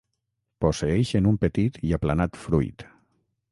Posseeixen un petit i aplanat fruit.